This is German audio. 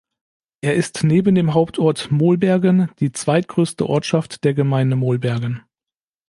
Er ist neben dem Hauptort Molbergen die zweitgrößte Ortschaft der Gemeinde Molbergen.